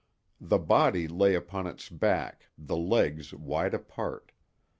The body lay upon its back, the legs wide apart.